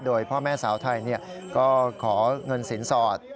โดยพ่อแม่สาวไทยก็ขอเงินสินสอด